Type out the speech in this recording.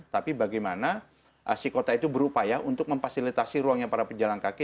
tapi bagaimana si kota itu berupaya untuk memfasilitasi ruangnya para pejalan kaki